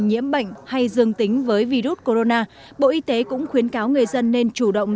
nhiễm bệnh hay dương tính với virus corona bộ y tế cũng khuyến cáo người dân nên chủ động